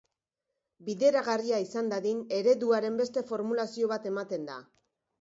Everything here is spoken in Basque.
Bideragarria izan dadin, ereduaren beste formulazio bat ematen da.